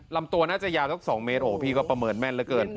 ลำตัวน่าจะยาวสัก๒เมตรโหพี่ก็ประเมินแม่นเหลือเกิน